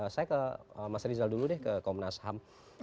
saya ke mas rizal dulu deh ke komnas ham